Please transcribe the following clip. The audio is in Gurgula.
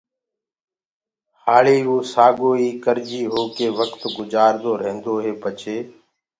هآݪي ووسآگوئي ڪرجي هوڪي وڪت گجآردو ريهندو هي پڇي